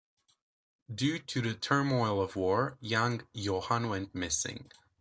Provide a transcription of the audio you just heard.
Due to the turmoil of war, young Johann went missing.